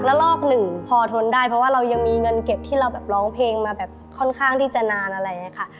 แล้วลอกหนึ่งพอทนได้เพราะว่าเรายังมีเงินเก็บที่เราแบบร้องเพลงมาแบบค่อนข้างที่จะนานอะไรอย่างนี้ค่ะ